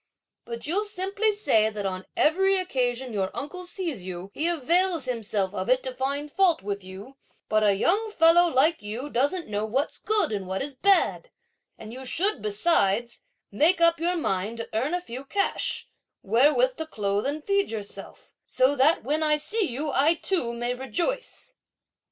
But you'll simply say that on every occasion your uncle sees you, he avails himself of it to find fault with you, but a young fellow like you doesn't know what's good and what is bad; and you should, besides, make up your mind to earn a few cash, wherewith to clothe and feed yourself, so that, when I see you, I too may rejoice!"